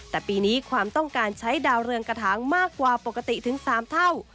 แต่ปีนี้ความต้องการใช้ดาวเรืองกระถางมากกว่าปกติถึง๓เท่า